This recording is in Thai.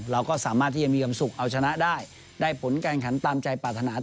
เราก็สามารถที่จะมีคุณสุขเอาชนะได้ได้ผลแนวของการแผนตามใจประธานาธุรกิจ